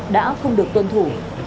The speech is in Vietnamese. đã không được tuân thủ